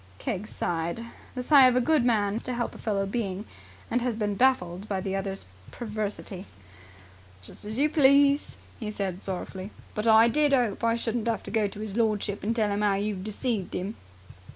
Keggs sighed the sigh of a good man who has done his best to help a fellow being and has been baffled by the other's perversity. "Just as you please," he said sorrowfully. "But I did 'ope I shouldn't 'ave to go to 'is lordship and tell 'im 'ow you've deceived him."